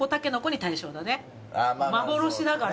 幻だから。